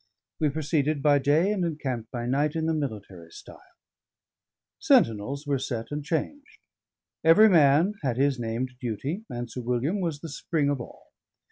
We proceeded by day and encamped by night in the military style; sentinels were set and changed; every man had his named duty; and Sir William was the spring of all.